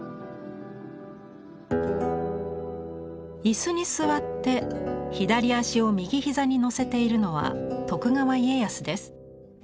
椅子に座って左足を右膝にのせているのは徳川家康です。